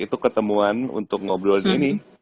itu ketemuan untuk ngobrol dini